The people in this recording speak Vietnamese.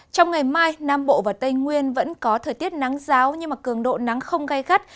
trong ngày mai nam bộ và tây nguyên vẫn có thời tiết nắng ráo nhưng mà cường độ nắng không gây gắt